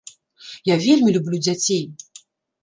Я вельмі люблю дзяцей.